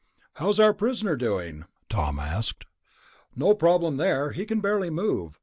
"How's our prisoner doing?" Tom asked. "No problem there, he can barely move.